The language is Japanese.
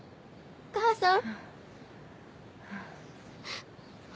お母さん！